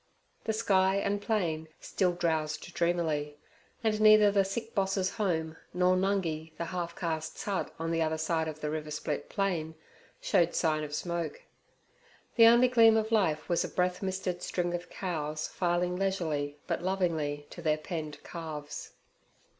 The sky and plain still drowsed dreamily, and neither the sick Boss's home, nor Nungi the half caste's hut on the other side of the riversplit plain, showed sign of smoke. The only gleam of life was a breath misted string of cows filing leisurely but lovingly to their penned calves.